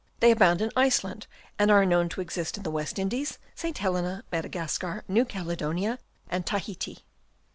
123 abound in Iceland, and are known to exist in the West Indies, St. Helena, Madagascar, New Caledonia and Tahiti.